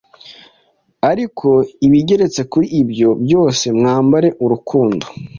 Ariko ibigeretse kuri ibyo byose mwambare urukundo,